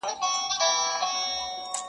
د بدو سترګو مخ ته سپر د سپیلینيو درځم -